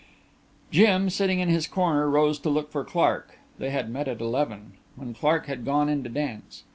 Jim, sitting in his corner, rose to look for Clark. They had met at eleven; then Clark had gone in to dance.